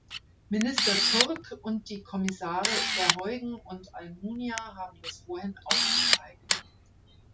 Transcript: Minister Turk und die Kommissare Verheugen und Almunia haben das vorhin aufgezeigt.